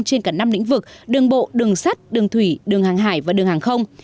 trên cả năm lĩnh vực đường bộ đường sắt đường thủy đường hàng hải và đường hàng không